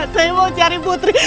saya mau cari putri